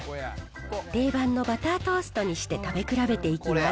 定番のバタートーストにして食べ比べていきます。